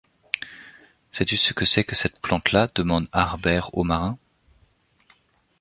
Sais-tu ce que c’est que cette plante-là demanda Harbert au marin.